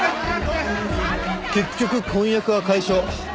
結局婚約は解消。